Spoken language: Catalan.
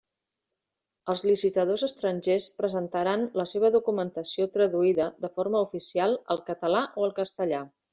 Els licitadors estrangers presentaran la seva documentació traduïda de forma oficial al català o al castellà.